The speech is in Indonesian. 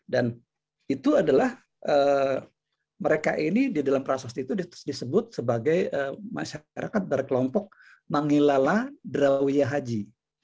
dan itu adalah mereka ini di dalam prasasti itu disebut sebagai masyarakat dari kelompok mangilala drawiahaji